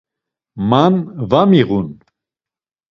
Man va miğun.